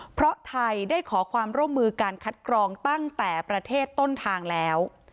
เพราะไทยได้ขอความร่วมมือการคัดกรองตั้งแต่ประเทศต้นทางแล้ว